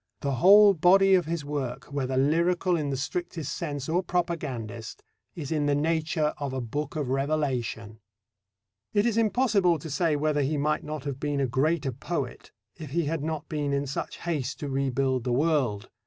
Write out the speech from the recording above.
The whole body of his work, whether lyrical in the strictest sense or propagandist, is in the nature of a Book of Revelation. It is impossible to say whether he might not have been a greater poet if he had not been in such haste to rebuild the world.